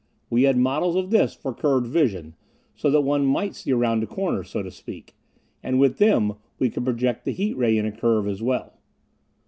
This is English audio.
We had models of this for curved vision, so that one might see around a corner, so to speak. And with them, we could project the heat ray in a curve as well.